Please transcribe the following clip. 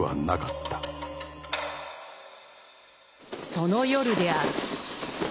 その夜である。